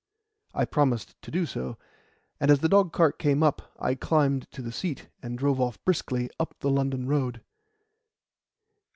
I promised to do so, and as the dogcart now came up, I climbed to the seat, and drove off briskly up the London Road.